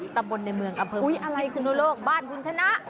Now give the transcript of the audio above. ตะบนในเมืองอำเภอพิศนุโลกบ้านคุณชนะ